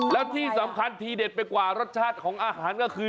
แล้วที่สำคัญทีเด็ดไปกว่ารสชาติของอาหารก็คือ